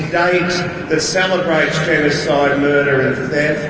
yang menghargai kematian pembunuhan dan penjahat